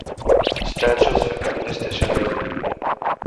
סטאַטועס פון קאָמוניסטישע העלדן